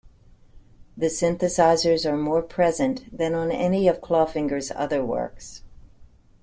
The synthesizers are more present than on any of Clawfinger's other works.